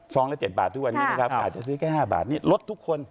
ละ๗บาททุกวันนี้นะครับอาจจะซื้อแค่๕บาทนี่ลดทุกคน